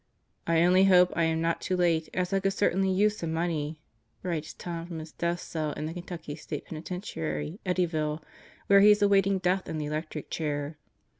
"I only hope I am not too late, as I could certainly use some money," writes Tom from his death cell in the Kentucky State Peni tentiary, Eddyville, where he is awaiting death in the electric chair.